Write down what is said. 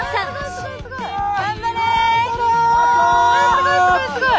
すごいすごいすごい！